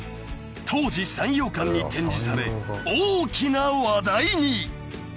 当時サンヨー館に展示され大きな話題に］